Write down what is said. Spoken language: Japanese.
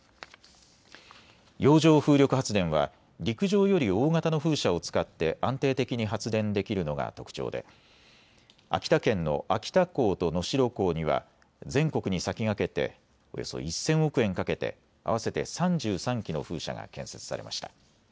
洋上風力発電は陸上より大型の風車を使って安定的に発電できるのが特徴で秋田県の秋田港と能代港には全国に先駆けておよそ１０００億円かけて合わせて３３基の風車が建設されました。